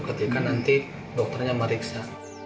ketika nanti dokternya meriksa